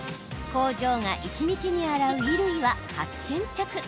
工場が一日に洗う衣類は８０００着。